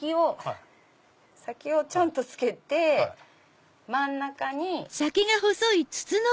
先をちょんとつけて真ん中に。